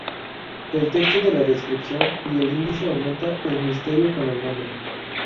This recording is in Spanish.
El texto de la descripción y el índice aumentan el misterio con el nombre.